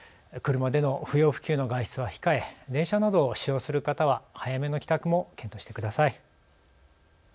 車での不要不急の外出は控え電車などを使用する方は早めの帰宅も検討してください。